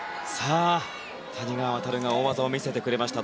谷川航が大技を見せてくれました。